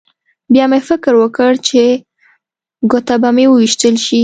بیا مې فکر وکړ چې ګوته به مې وویشتل شي